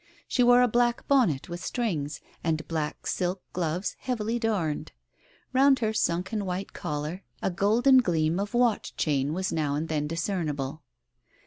She wore a black bonnet with strings, and black silk gloves heavily darned. Round her sunken white collar, a golden gleam of watch chain was now and then discernible.